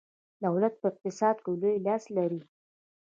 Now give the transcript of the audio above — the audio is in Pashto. دولت په اقتصاد کې لوی لاس لري.